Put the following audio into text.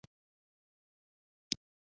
مځکه موږ ته د خوښۍ ځای راکوي.